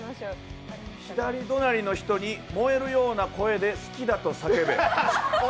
左隣の人に燃えるような声で「好きだ」と叫べ。